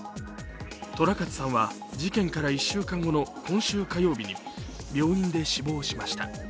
寅勝さんは事件から１週間後の今週火曜日に病院で死亡しました。